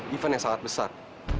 event yang sangat besar